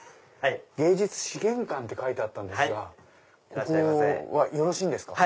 芸術資源館って書いてあったんですがここはよろしいんですか？